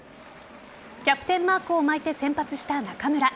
キャプテンマークを巻いて先発した中村。